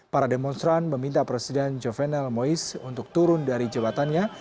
para demonstran meminta presiden jovenel mois untuk turun dari jabatannya